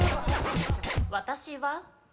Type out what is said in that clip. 私は。